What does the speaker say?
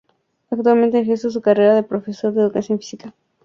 Actualmente ejerce su carrera de profesor de educación física.